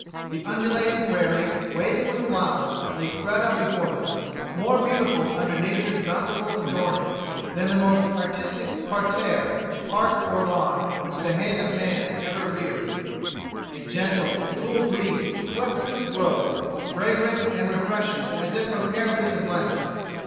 The undulating prairie, waving with flowers, lay spread out before them, more beautiful under nature's bountiful adornings than the most artistic parterre, park or lawn which the hand of man ever reared. A gentle, cool breeze swept through the grove, fragrant and refreshing as if from Araby the blest.